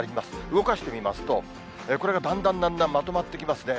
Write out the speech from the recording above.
動かしてみますと、これがだんだんだんだんまとまってきますね。